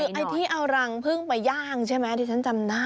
คือไอ้ที่เอารังพึ่งไปย่างใช่ไหมที่ฉันจำได้